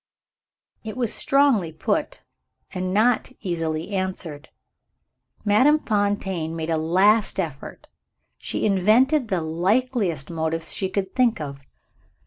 It was strongly put, and not easily answered. Madame Fontaine made a last effort she invented the likeliest motives she could think of.